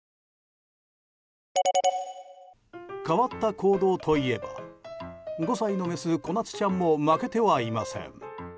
変わった行動といえば５歳のメス、小夏ちゃんも負けてはいません。